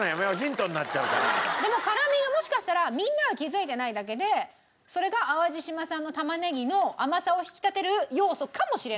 でも辛みはもしかしたらみんなは気づいてないだけでそれが淡路島産の玉ねぎの甘さを引き立てる要素かもしれないし。